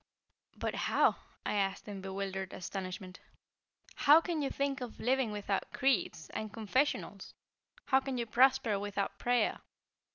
"But how," I asked in bewildered astonishment, "how can you think of living without creeds, and confessionals? How can you prosper without prayer?